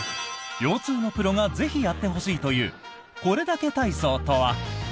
腰痛のプロがぜひやってほしいというこれだけ体操とは？